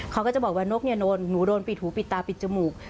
เขาก็จะบอกว่านกเนี่ยหนูโดนปิดหูปิดตาปิดจมูก